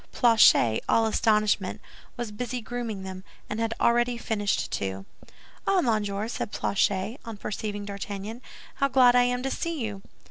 Planchet, all astonishment, was busy grooming them, and had already finished two. "Ah, monsieur," said Planchet, on perceiving D'Artagnan, "how glad I am to see you."